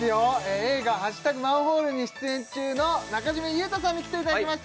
映画「＃マンホール」に出演中の中島裕翔さんに来ていただきました